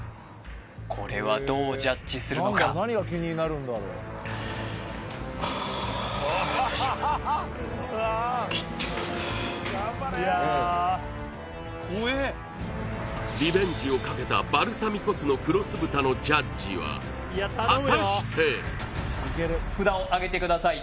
これはどうジャッジするのかふうリベンジをかけたバルサミコ酢の黒酢豚のジャッジは果たして札をあげてください